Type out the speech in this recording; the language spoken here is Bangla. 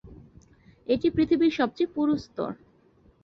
এটি পৃথিবীর সবচেয়ে পুরু স্তর।